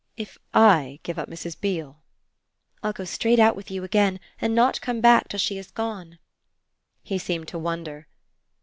"If I give up Mrs. Beale ?" "I'll go straight out with you again and not come back till she has gone." He seemed to wonder.